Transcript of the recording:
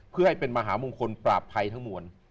เพื่อให้เป็นมหามงคลปราบภัยทั้งมวล